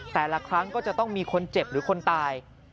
แต่ละครั้งก็จะต้องมีคนเจ็บหรือคนตาย